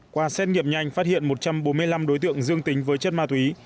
qua xét nghiệm nhanh phát hiện một trăm bốn mươi năm đối tượng dương tính với chất ma túy